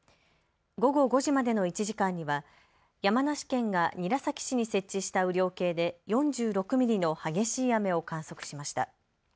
午後５時までの１時間には山梨県が韮崎市に設置した雨量計で４６ミリの激しい雨を観測しました。